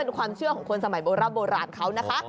เป็นความเชื่อของคนสมัยโบราณโบราณเขานะคะ